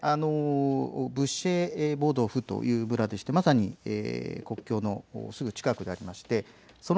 プシェボドフという村でしてまさに国境のすぐ近くです。